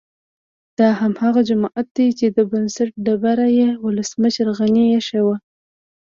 دا هماغه جومات دی چې د بنسټ ډبره یې ولسمشر غني ايښې وه